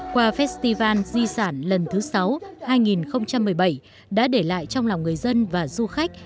qua festival di sản lần thứ sáu hai nghìn một mươi bảy đã để lại trong lòng người dân và du khách